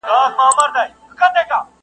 چي د مغولو له بیرغ څخه کفن جوړوي!